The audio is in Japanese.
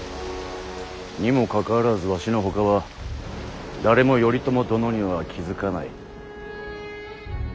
にもかかわらずわしのほかは誰も頼朝殿には気付かない。